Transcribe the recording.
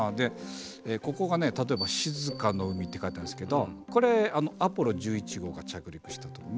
ここが例えば「静かの海」って書いてあるんですけどこれアポロ１１号が着陸したとこね。